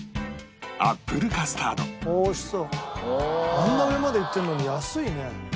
あんな上まで行ってるのに安いね。